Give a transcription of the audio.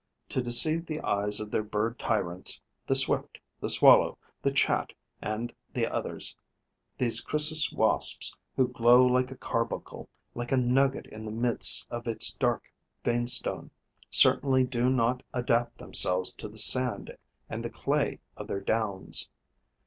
To deceive the eyes of their bird tyrants, the Swift, the Swallow, the Chat and the others, these Chrysis wasps, who glow like a carbuncle, like a nugget in the midst of its dark veinstone, certainly do not adapt themselves to the sand and the clay of their downs.